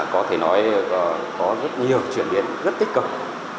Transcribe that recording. có thể nói có rất nhiều chuyển biến rất tích cực